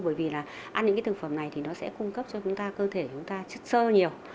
bởi vì là ăn những thực phẩm này thì nó sẽ cung cấp cho cơ thể chúng ta chất sơ nhiều